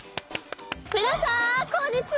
皆さんこんにちは！